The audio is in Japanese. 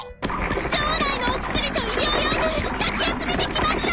城内のお薬と医療用具かき集めてきました！